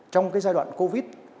trong cái giai đoạn covid